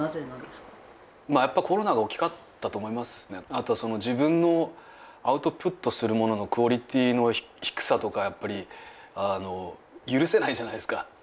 あと自分のアウトプットするもののクオリティーの低さとかやっぱり許せないじゃないですか。